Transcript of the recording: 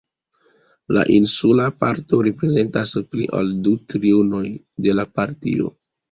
La insula parto reprezentas pli ol du trionoj de la partio.